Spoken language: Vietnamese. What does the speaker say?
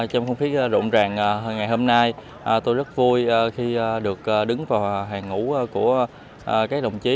trong không khí rộn ràng ngày hôm nay tôi rất vui khi được đứng vào hàng ngũ của các đồng chí